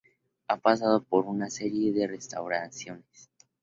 Ha pasado por una serie de restauraciones.